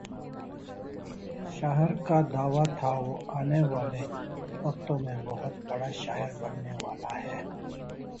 شعر کا دعویٰ تھا وہ آنے والے وقتوں میں بہت بڑا شاعر بننے والا ہے۔